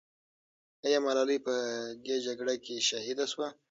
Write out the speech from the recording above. آیا ملالۍ په دې جګړه کې شهیده سوه؟